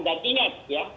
dan ingat ya